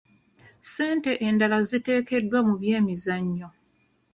Ssente endala ziteekeddwa mu byemizannyo.